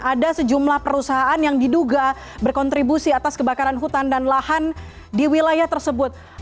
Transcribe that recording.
ada sejumlah perusahaan yang diduga berkontribusi atas kebakaran hutan dan lahan di wilayah tersebut